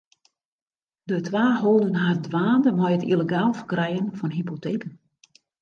De twa holden har dwaande mei it yllegaal ferkrijen fan hypoteken.